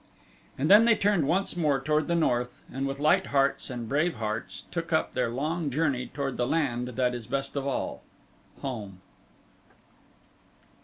And then they turned once more toward the north and with light hearts and brave hearts took up their long journey toward the land that is best of all home.